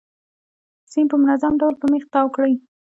سیم په منظم ډول په میخ تاو کړئ.